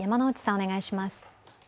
お願いします。